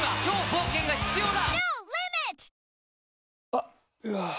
あっ、うわー。